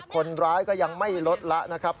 คนร้ายก็ยังไม่ลดละนะครับ